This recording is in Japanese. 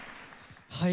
はい。